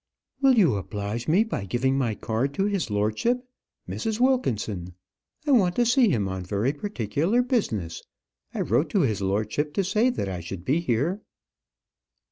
"Will you oblige me by giving my card to his lordship Mrs. Wilkinson? I want to see him on very particular business. I wrote to his lordship to say that I should be here."